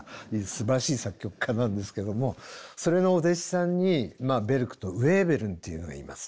すばらしい作曲家なんですけどもそれのお弟子さんにベルクとヴェーベルンというのがいます。